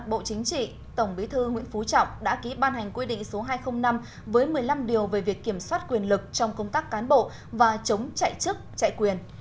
bộ chính trị tổng bí thư nguyễn phú trọng đã ký ban hành quy định số hai trăm linh năm với một mươi năm điều về việc kiểm soát quyền lực trong công tác cán bộ và chống chạy chức chạy quyền